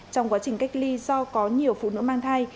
trong quá trình cách ly do có nhiều phụ nữ mang thai